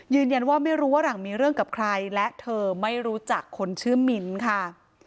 ยืนยันว่าไม่รู้ว่าหลังมีเรื่องกับใครและเธอไม่รู้จักคนชื่อมิ้นค่ะ